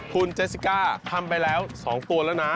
คุณเจสสิก้าทำไปแล้ว๒ตัวแล้วนะ